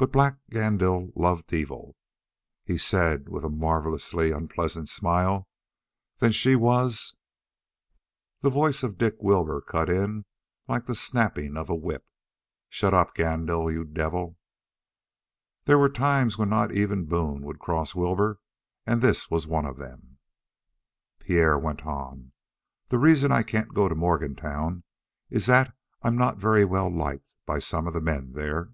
But Black Gandil loved evil. He said, with a marvelously unpleasant smile: "Then she was " The voice of Dick Wilbur cut in like the snapping of a whip: "Shut up, Gandil, you devil!" There were times when not even Boone would cross Wilbur, and this was one of them. Pierre went on: "The reason I can't go to Morgantown is that I'm not very well liked by some of the men there."